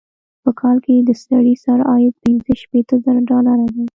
په کال کې یې د سړي سر عاید پنځه شپيته زره ډالره دی.